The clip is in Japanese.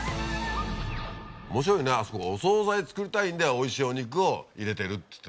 面白いねあそこお惣菜作りたいんでおいしいお肉を入れてるって言ってたよ。